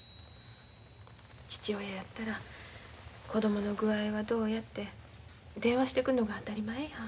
父親やったら子供の具合はどうやて電話してくるのが当たり前や。